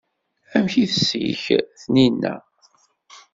Amek ay teslek Taninna?